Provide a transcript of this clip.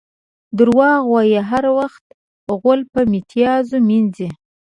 دروغ وایي؛ هر وخت غول په میتیازو مینځي.